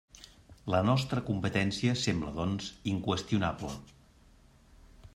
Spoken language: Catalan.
La nostra competència sembla, doncs, inqüestionable.